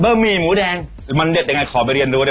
บะหมี่หมูแดงมันเด็ดอย่างงี้ขอไปเรียนรู้ได้